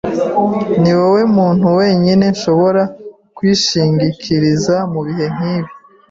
Niwowe muntu wenyine nshobora kwishingikiriza mubihe nkibi.